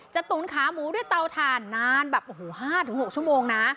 ตุ๋นขาหมูด้วยเตาถ่านนานแบบโอ้โห๕๖ชั่วโมงนะ